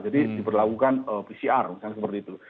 jadi diberlakukan pcr misalnya seperti itu